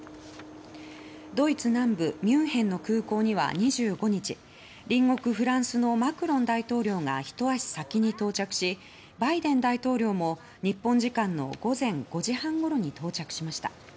ドイツ南部ミュンヘンの空港には２５日隣国フランスのマクロン大統領がひと足先に到着しバイデン大統領も、日本時間の午前５時半ごろに到着しました。